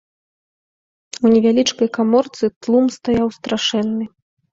У невялічкай каморцы тлум стаяў страшэнны.